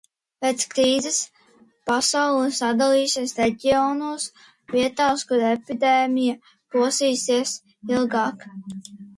Pēc krīzes pasaule sadalīsies reģionos – vietās, kur epidēmija plosīsies ilgāk.